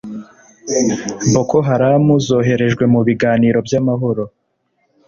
Boko Haram zoherejwe mu biganiro by’amahoro